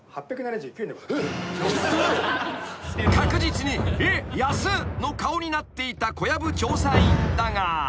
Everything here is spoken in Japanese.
［確実に「えっ！？安っ」の顔になっていた小籔調査員だが］